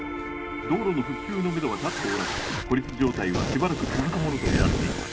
道路の復旧のめどは立っておらず孤立状態はしばらく続くものとみられています